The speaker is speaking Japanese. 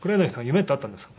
夢ってあったんですか？